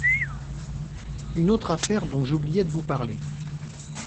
Une autre affaire dont j'oubliais de vous parler.